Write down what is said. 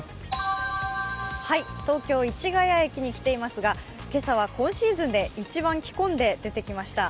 東京・市ヶ谷駅に来ていますが今朝は今シーズンで一番着込んで出てきました。